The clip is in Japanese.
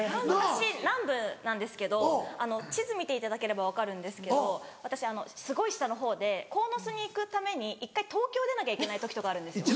私南部なんですけど地図見ていただければ分かるんですけど私すごい下のほうで鴻巣に行くために１回東京出なきゃいけない時とかあるんですよ。